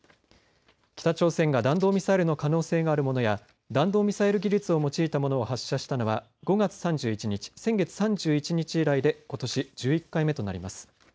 北朝鮮が弾道ミサイルの可能性があるものや弾道ミサイル技術を用いたものを発射したのは５月３１日、先月３１日以来でことし１１回目となります。